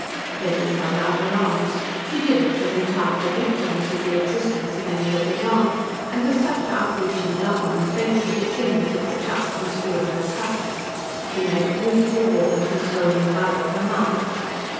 Betty held out her arms. She did it with entire forgetfulness of the existence of any lookers on, and with such outreaching love on her face that it seemed as if the child must feel her touch. She made a beautiful, warm, consoling bud of her mouth.